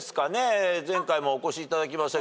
前回もお越しいただきましたけど。